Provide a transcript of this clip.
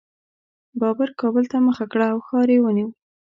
بابر کابل ته مخه کړه او ښار یې ونیو.